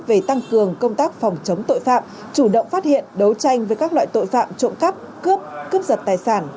về tăng cường công tác phòng chống tội phạm chủ động phát hiện đấu tranh với các loại tội phạm trộm cắp cướp cướp giật tài sản